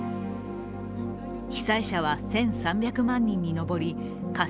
被災者は１３００万人に上り仮設